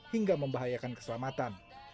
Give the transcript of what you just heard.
hingga membahayakan keselamatan